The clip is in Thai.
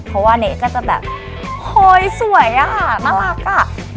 เพราะว่าเนสก็จะแบบโฮสวยอะค่ะน่ารักอ่ะ